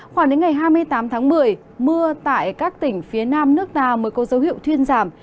khoảng đến ngày hai mươi tám tháng một mươi mưa tại các tỉnh phía nam nước ta mới có dấu hiệu thuyên giảm